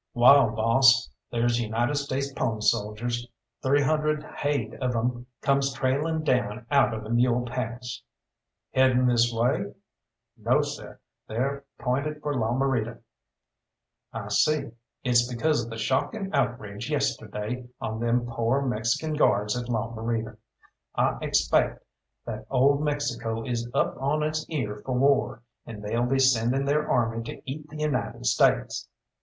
"Wall, boss, there's United States pony soldiers, three hundred haid of 'em, comes trailing down out of the Mule Pass." "Heading this way?" "No, seh; they're pointing for La Morita." "I see. It's because of the shockin' outrage yesterday on them pore Mexican Guards at La Morita. I expaict that ole Mexico is up on its ear for war, and they'll be sending their army to eat the United States.